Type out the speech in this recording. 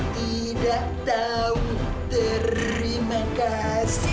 tidak tahu terima kasih